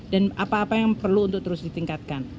dan apa apa yang perlu untuk terus ditingkatkan